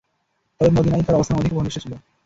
তবে মদীনায়ই তার অবস্থান অধিক ও ঘনিষ্ট ছিল।